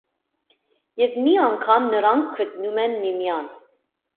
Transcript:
Եվ մի անգամ նրանք գտնում են միմյանց։